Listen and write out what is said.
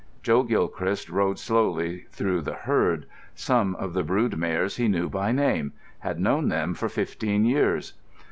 Joe Gilchrist rode slowly through the herd. Some of the brood mares he knew by name—had known them for fifteen years.